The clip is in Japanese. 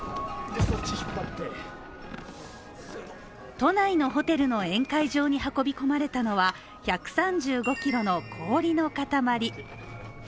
都内のホテルの宴会場に運び込まれたのは１３５ｋｇの氷の塊。